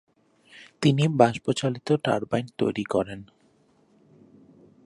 তিনি বাষ্পচালিত টারবাইন তৈরি করেন।